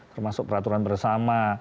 termasuk peraturan bersama